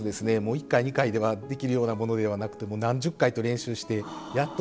一回二回ではできるようなものではなくて何十回と練習してやっと身につく技術ですね。